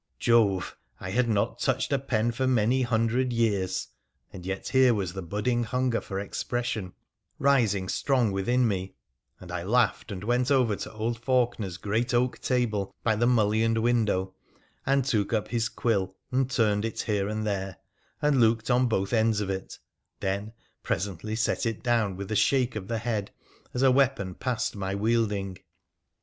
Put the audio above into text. Jove ! I had not touched a pen for many hundred years, and yet here was the budding hunger for expression rising strong within me, and I laughed and went over to old Faulkener's great oak table by the mul lioned window, and took up his quill, and turned it here and there, and looked on both ends of it, then presently set it down with a shake of the head as a weapon past my wielding.